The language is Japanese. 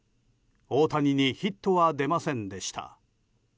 大谷にヒットは出ませんでした。